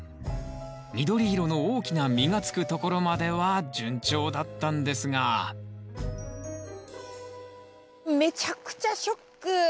緑色の大きな実がつくところまでは順調だったんですがめちゃくちゃショック。